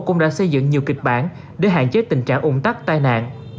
cảnh sát giao thông đã xây dựng nhiều kịch bản để hạn chế tình trạng ủng tắc tai nạn